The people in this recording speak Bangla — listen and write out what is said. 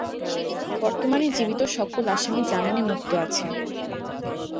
বর্তমানে জীবিত সকল আসামি জামিনে মুক্ত আছেন।